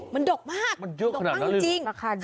มันดอกมากดอกมากจริงมันเยอะขนาดนั้นเลย